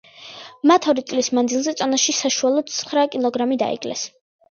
მათ ორი წლის მანძილზე წონაში საშუალოდ ცხრა კილოგრამი დაიკლეს.